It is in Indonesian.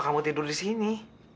kamu tidur di sini